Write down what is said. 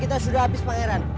kita sudah habis pangeran